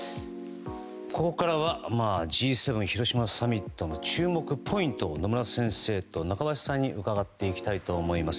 ここからはＧ７広島サミットの注目ポイントを野村先生と中林さんに伺っていきたいと思います。